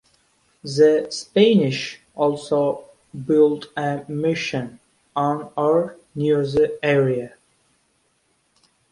The Spanish also built a mission on or near the area.